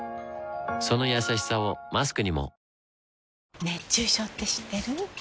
そのやさしさをマスクにも熱中症って知ってる？